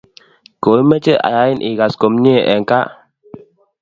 kiomeche ayain igas komie eng kaa